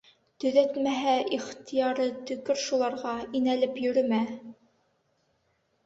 Төҙәтмәһә, ихтыяры, төкөр шуларға, инәлеп йөрөмә!